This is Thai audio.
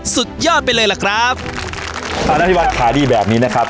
สุดยอดไปเลยล่ะครับอ่าน้ำพี่วันขาดีแบบนี้นะครับ